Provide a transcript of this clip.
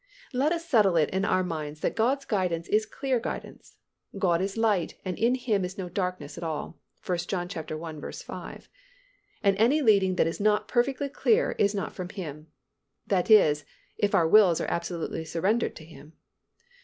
Let us settle it in our minds that God's guidance is clear guidance. "God is light, and in Him is no darkness at all" (1 John i. 5). And any leading that is not perfectly clear is not from Him. That is, if our wills are absolutely surrendered to Him.